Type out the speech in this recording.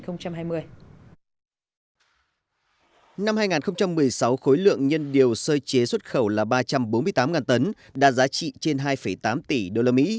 năm hai nghìn một mươi sáu khối lượng nhân điều sơ chế xuất khẩu là ba trăm bốn mươi tám tấn đạt giá trị trên hai tám tỷ usd